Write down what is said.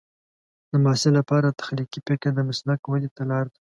د محصل لپاره تخلیقي فکر د مسلک ودې ته لار ده.